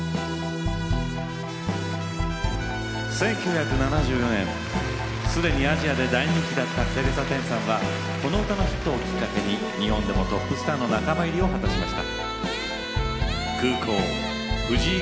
１９７４年すでにアジアで大人気だったテレサ・テンさんはこの歌のヒットをきっかけに日本でもトップスターの仲間入りを果たしました。